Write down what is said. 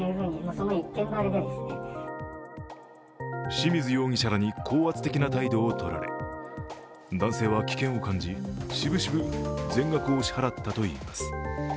清水容疑者らに高圧的な態度をとられ、男性は危険を感じ、しぶしぶ全額を支払ったといいます。